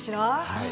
はい。